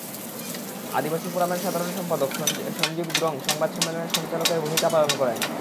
আদিবাসী ফোরামের সাধারণ সম্পাদক সঞ্জীব দ্রং সংবাদ সম্মেলনে সঞ্চালকের ভূমিকা পালন করেন।